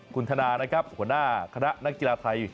คุณธนานะครับขณะณักกีฬาไทย